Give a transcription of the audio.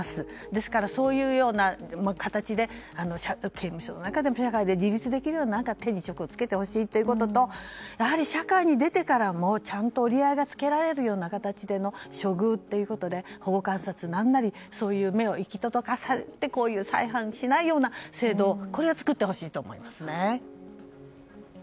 ですから、そういうような形で社会復帰してから社会の中でも自立できるような手に職をつけてほしいということと社会に出てからもちゃんと折り合いがつけられるような形での処遇ということで保護観察なり、そういう目を行き届かせて再犯しないような制度を作ってほしいと思います。